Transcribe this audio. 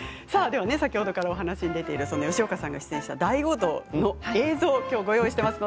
先ほどからお話出ている吉岡さん、出演した「大悟道」映像をご用意しています。